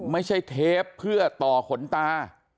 ไม่ใช่เทปเพื่อต่อขนตา